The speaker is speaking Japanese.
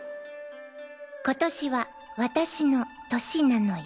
今年は私の年なのよ。